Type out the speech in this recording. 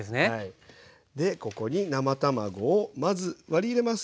ここに生卵をまず割り入れます。